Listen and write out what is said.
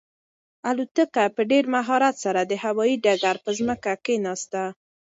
الوتکه په ډېر مهارت سره د هوايي ډګر پر ځمکه کښېناسته.